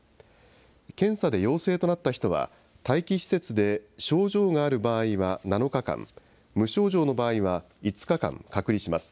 検査で陽性となった人は、待機施設で症状がある場合は７日間、無症状の場合は５日間、隔離します。